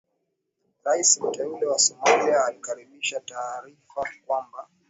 Raisi mteule wa Somalia anakaribisha taarifa kwamba